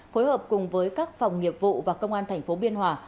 phối hợp cùng với các phòng nghiệp vụ và công an thành phố biên hòa